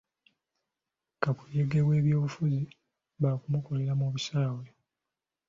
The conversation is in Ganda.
Kakuyege w'ebyobufuzi baakumukolera mu bisaawe.